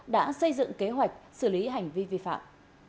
đã xây dựng kế hoạch xử lý hành vi vi phạm